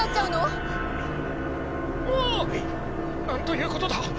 なんということだ。